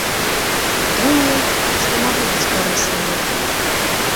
Думаю, што магу быць карысны ёй.